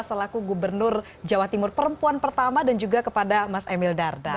selaku gubernur jawa timur perempuan pertama dan juga kepada mas emil dardak